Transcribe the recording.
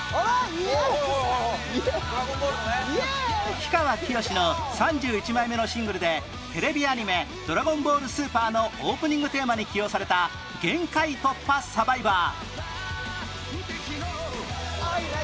氷川きよしの３１枚目のシングルでテレビアニメ『ドラゴンボール超』のオープニングテーマに起用された『限界突破×サバイバー』